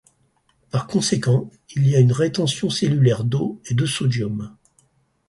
Par conséquent, il y a une rétention cellulaire d'eau et de sodium.